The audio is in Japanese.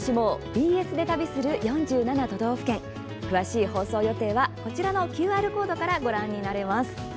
ＢＳで旅する４７都道府県」詳しい放送予定はこちらのＱＲコードからご覧になれます。